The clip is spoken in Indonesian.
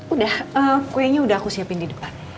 udah kuenya udah aku siapin di depan